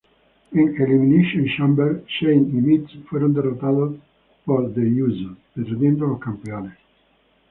En Elimination Chamber, Shane y Miz fueron derrotados por The Usos, perdiendo los campeonatos.